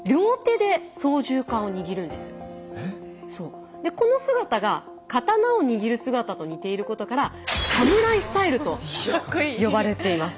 でこの姿が刀を握る姿と似ていることから「サムライスタイル」と呼ばれています。